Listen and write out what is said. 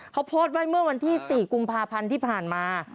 เขาโพสต์ไว้เมื่อวันที่๔กุมภาพันธ์ที่ผ่านมา